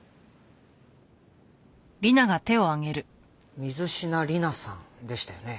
水品理奈さんでしたよね。